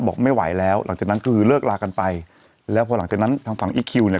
บอกไม่ไหวแล้วหลังจากนั้นคือเลิกลากันไปแล้วพอหลังจากนั้นทางฝั่งอีคคิวเนี่ย